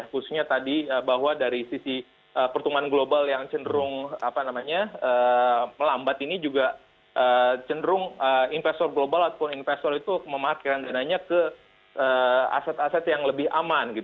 khususnya tadi bahwa dari sisi pertumbuhan global yang cenderung melambat ini juga cenderung investor global ataupun investor itu memakai dananya ke aset aset yang lebih aman